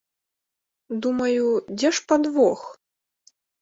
Думаю, дзе ж падвох?